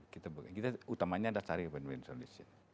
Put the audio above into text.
kita utamanya ada syarat syarat win win solution